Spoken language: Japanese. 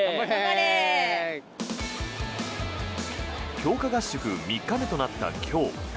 強化合宿３日目となった今日。